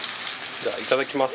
じゃあいただきます。